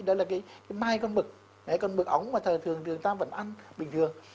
đó là cái mai con mực con mực ống mà thường người ta vẫn ăn bình thường